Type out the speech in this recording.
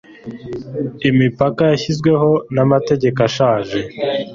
imipaka yashyizweho n amategeko ashaje